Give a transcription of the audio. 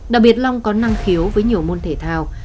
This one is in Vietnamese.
đặc biệt long có năng khiếu với nhiều môn thể thao